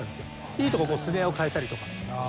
いいとこスネアを変えたりとか。